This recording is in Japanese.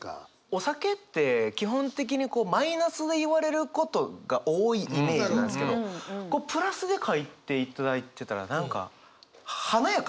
お酒って基本的にマイナスで言われることが多いイメージなんですけどプラスで書いていただいてたら何か華やかっすよね！